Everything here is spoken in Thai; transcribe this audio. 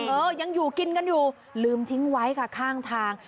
เออยังอยู่กินกันอยู่ลืมทิ้งไว้ค่ะข้างทาง